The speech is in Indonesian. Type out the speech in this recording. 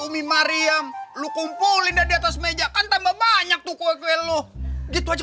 umi mariam lu kumpulin diatas meja tentemresses itu kalau gua